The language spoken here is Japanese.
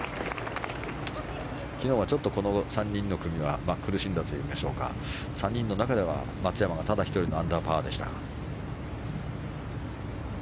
昨日はちょっとこの３人の組は苦しんだといいましょうか３人の中では松山がただ１人のアンダーパーでした。